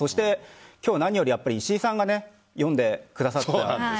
今日、何より石井さんが読んでくださったんです。